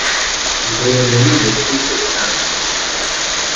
உதயணன் வெற்றி பெற்றான்.